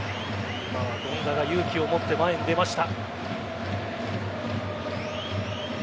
権田が勇気を持って前に出ました。